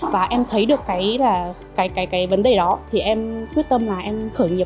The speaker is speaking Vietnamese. và em thấy được cái cái cái vấn đề đó thì em quyết tâm là em khởi nghiệp